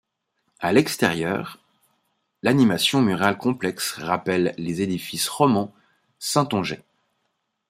A l'extérieur, l'animation murale complexe rappelle les édifices romans saintongeais.